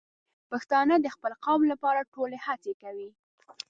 پښتانه د خپل قوم لپاره ټولې هڅې کوي.